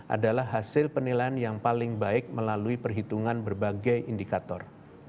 adalah hasil penilaian yang paling baik melalui perhitungan berbagai indikator